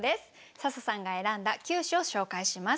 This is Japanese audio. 笹さんが選んだ９首を紹介します。